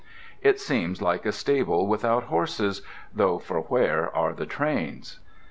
It seems like a stable without horses, though, for where are the trains?